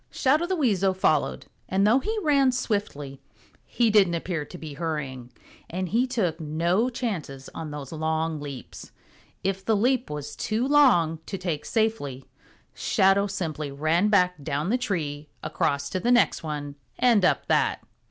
Shadow the Weasel followed, and though he ran swiftly, he didn't appear to be hurrying, and he took no chances on those long leaps. If the leap was too long to take safely, Shadow simply ran back down the tree, across to the next one and up that.